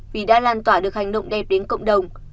vì đã lan tỏa được hành động đẹp đến cộng đồng